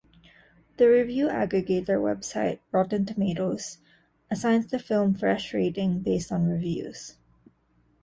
The review aggregator website Rotten Tomatoes assigns the film fresh rating based on reviews.